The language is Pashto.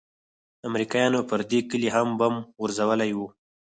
امريکايانو پر دې كلي هم بم غورځولي وو.